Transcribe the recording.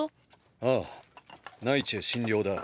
ああ内地へ診療だ。